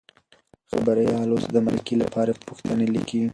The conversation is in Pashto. خبریال اوس د مرکې لپاره پوښتنې لیکي.